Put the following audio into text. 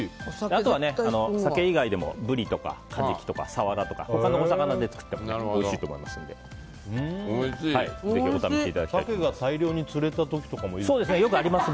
あとは鮭以外でもブリとかカジキとかサワラとか他のお魚で作ってもおいしいと思いますのでぜひお試しいただきたいと思います。